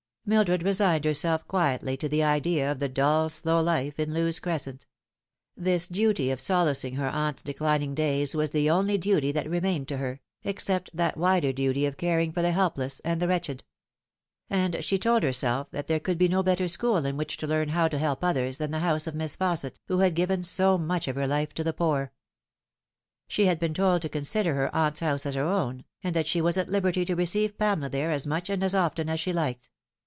Mildred resigned herself quietly to the idea of the dull slow life in Lewes Cresent. This duty of solacing her aunt's declining days was the only duty that remained to her, except that wider duty of caring for the helpless and the wretched. And she told herself that there could be no better school in which to learn how to help others than the house of Miss Fausset, who had given so much of her life to the poor. She had been told to consider her aunt's house as her own, and that she was at liberty to receive Pamela there as much and as often as she liked.